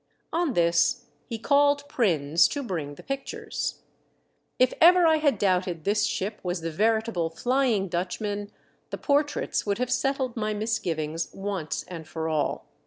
On this he called Prins to bring the pic tures. If ever I had doubted this ship was the veritable Flying Dutchman the portraits would have settled my misgivings once and for all.